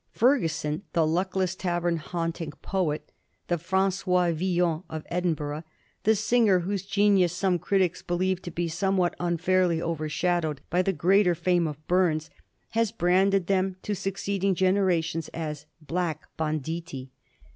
Ferguson, the luckless tavern haunting poet, the FranQois Villon of Edinburgh, the singer whose genius some critics believe to be somewhat unfairly overshadowed by the greater fame of Bums, has branded them to succeeding genera tions as ^* black banditti."